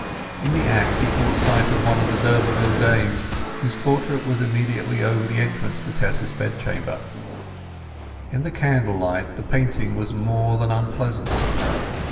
In the act he caught sight of one of the d'Urberville dames, whose portrait was immediately over the entrance to Tess's bedchamber. In the candlelight the painting was more than unpleasant.